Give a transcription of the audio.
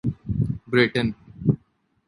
Britain